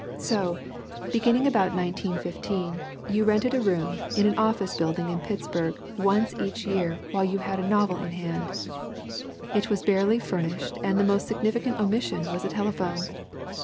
So, beginning about 1915, you rented a room in an office building in Pittsburgh once each year while you had a novel in hand. It was barely furnished and the most significant omission was a telephone.